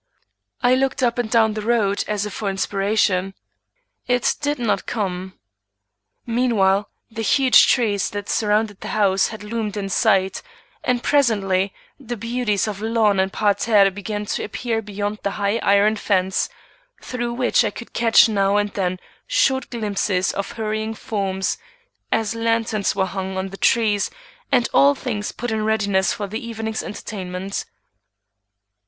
I looked up and down the road as if for inspiration. It did not come. Meanwhile, the huge trees that surrounded the house had loomed in sight, and presently the beauties of lawn and parterre began to appear beyond the high iron fence, through which I could catch now and then short glimpses of hurrying forms, as lanterns were hung on the trees and all things put in readiness for the evening's entertainment.